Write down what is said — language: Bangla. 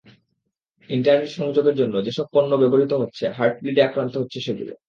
ইন্টারনেট সংযোগের জন্য যেসব পণ্য ব্যবহূত হচ্ছে হার্টব্লিডে আক্রান্ত হচ্ছে সেগুলো।